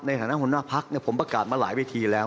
ในฐานะหัวหน้าพักผมประกาศมาหลายเวทีแล้ว